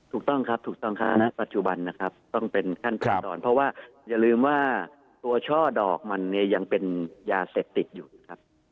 ถูกต้องครับถูกต้องครับณปัจจุบันนะครับต้องเป็นขั้นเป็นตอนเพราะว่าอย่าลืมว่าตัวช่อดอกมันเนี่ยยังเป็นยาเสพติดอยู่ครับ